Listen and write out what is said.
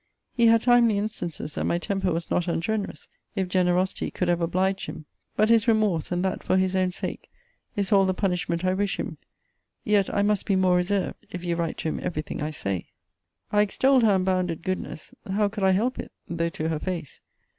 He had timely instances that my temper was not ungenerous, if generosity could have obliged him! But his remorse, and that for his own sake, is all the punishment I wish him. Yet I must be more reserved, if you write to him every thing I say! I extolled her unbounded goodness how could I help it, though to her face!